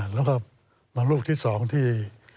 แล้วก็บางรูปที่สองที่